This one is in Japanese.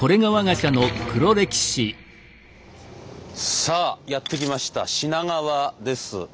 さあやって来ました品川です。